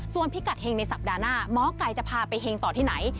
ส่วนพิกัดเฮงในสัปดาห์หน้าหมอไก่จะพาไปเฮงต่อที่ไหน